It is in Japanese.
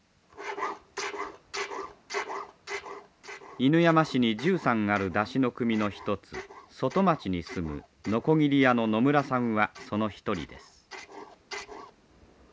犬山市に１３ある山車の組の一つ外町に住むのこぎり屋ののむらさんはその一人です。